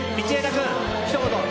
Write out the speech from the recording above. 君、ひと言。